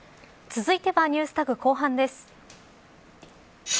続いてはＮｅｗｓＴａｇ後半です。